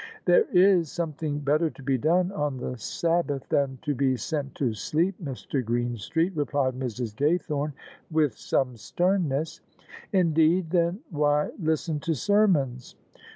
"There is something better to be done on the Sabbath than to be sent to sleep, Mr. Greenstreet," replied Mrs. Gaythome with some sternness. "Indeed: then why listen to sermons?"